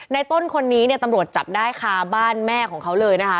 ต้นคนนี้เนี่ยตำรวจจับได้ค่ะบ้านแม่ของเขาเลยนะคะ